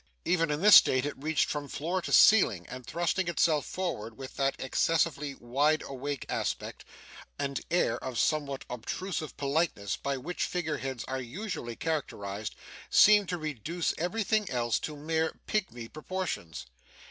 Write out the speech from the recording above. Even in this state it reached from floor to ceiling; and thrusting itself forward, with that excessively wide awake aspect, and air of somewhat obtrusive politeness, by which figure heads are usually characterised, seemed to reduce everything else to mere pigmy proportions.